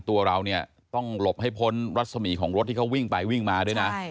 ตัวเราเนี่ยต้องหลบให้พ้นรัศมีของรถที่เขาวิ่งไปวิ่งมาด้วยนะ